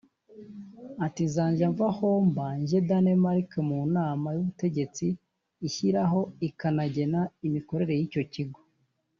Ati «Nzajya mva aho mba njye muri Danemark mu nama y’ubutegetsi ishyiraho ikanagena imikorere y’icyo kigo